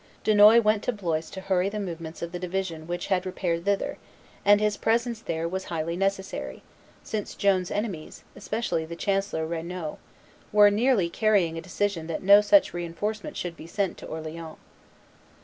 Dunois went to Blois to hurry the movements of the division which had repaired thither; and his presence there was highly necessary, since Joan's enemies, especially the chancellor Regnault, were nearly carrying a decision that no such re enforcement should be sent to Orleans.